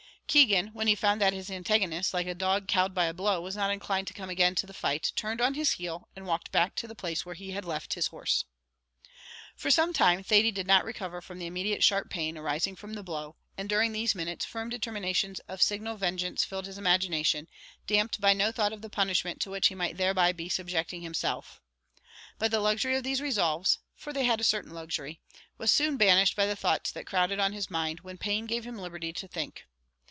Keegan, when he found that his antagonist, like a dog cowed by a blow, was not inclined to come again to the fight, turned on his heel, and walked back to the place where he had left his horse. For some time Thady did not recover from the immediate sharp pain arising from the blow, and during these minutes firm determinations of signal vengeance filled his imagination, damped by no thought of the punishment to which he might thereby be subjecting himself. But the luxury of these resolves for they had a certain luxury was soon banished by the thoughts that crowded on his mind, when pain gave him liberty to think.